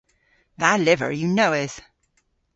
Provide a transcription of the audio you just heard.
Dha lyver yw nowydh.